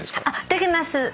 できます。